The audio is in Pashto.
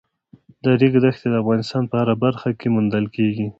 د ریګ دښتې د افغانستان په هره برخه کې موندل کېږي.